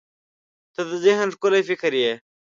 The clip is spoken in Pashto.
• ته د ذهن ښکلي فکر یې.